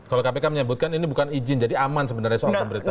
kalau kpk menyebutkan ini bukan izin jadi aman sebenarnya soal pemberitaan